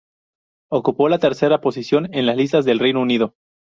Ocupó la tercera posición en las listas del Reino Unido.